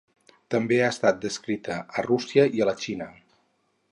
També ha estat descrita a Rússia i a la Xina.